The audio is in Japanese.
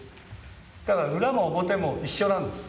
だから裏も表も一緒なんです。